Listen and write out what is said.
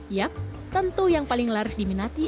yap tentu yang paling laris diminati